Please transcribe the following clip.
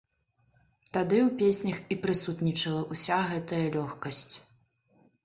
Тады ў песнях і прысутнічала ўся гэтая лёгкасць.